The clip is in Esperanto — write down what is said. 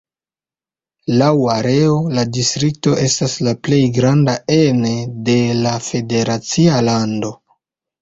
Laŭ areo, la distrikto estas la plej granda ene de la federacia lando.